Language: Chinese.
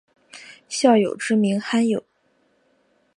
孝友之名罕有。